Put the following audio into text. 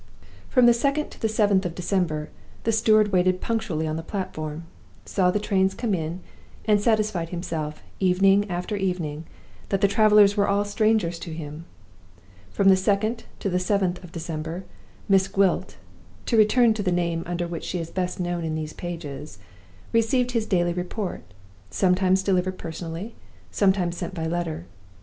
From the 2d to the 7th of December, the steward waited punctually on the platform, saw the trains come in, and satisfied himself, evening after evening, that the travelers were all strangers to him. From the 2d to the 7th of December, Miss Gwilt (to return to the name under which she is best known in these pages) received his daily report, sometimes delivered personally, sometimes sent by letter.